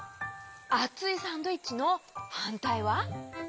あついサンドイッチのはんたいは？